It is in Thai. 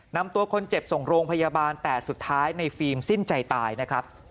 นำตัวคนเจ็บส่งโรงพยาบาลแต่สุดท้ายในฟิล์มสิ้นใจตายนะครับ